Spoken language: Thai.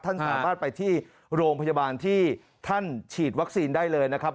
ท่านสามารถไปที่โรงพยาบาลที่ท่านฉีดวัคซีนได้เลยนะครับ